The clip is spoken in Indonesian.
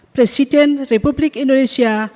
presiden republik indonesia